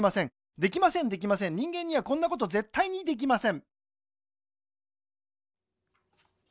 できませんできません人間にはこんなことぜったいにできません